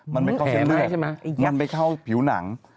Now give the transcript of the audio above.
มันไม่เข้าเส้นเลือดมันไปเข้าผิวหนัง